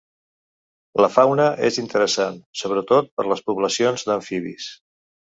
La fauna és interessant sobretot per les poblacions d'amfibis.